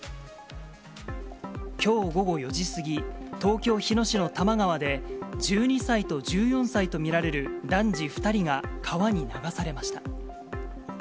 きょう午後４時過ぎ、東京・日野市の多摩川で、１２歳と１４歳と見られる男児２人が川に流されました。